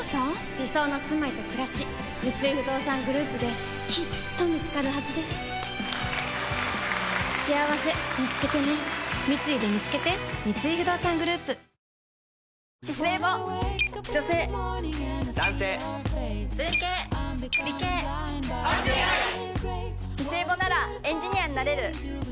理想のすまいとくらし三井不動産グループできっと見つかるはずですしあわせみつけてね三井でみつけてカップヌードル辛麺は？